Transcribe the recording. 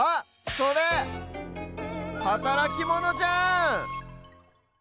それはたらきモノじゃん！